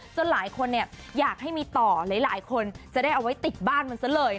หลายคนเนี่ยอยากให้มีต่อหลายคนจะได้เอาไว้ติดบ้านมันซะเลย